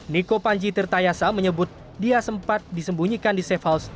niko panji tirtayasa menyebut dia sempat disembunyikan di safe house